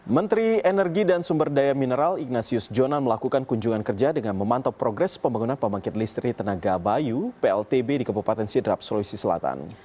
menteri energi dan sumber daya mineral ignatius jonan melakukan kunjungan kerja dengan memantau progres pembangunan pembangkit listrik tenaga bayu pltb di kabupaten sidrap sulawesi selatan